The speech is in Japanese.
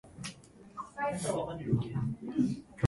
以てセーターを着ているように見せかけていたのです